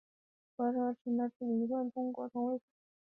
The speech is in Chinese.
核合成的理论通过同位素丰度的计算和观测的丰度比对来验证。